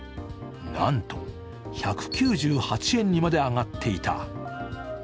なんと１９８円にまで上がっていた。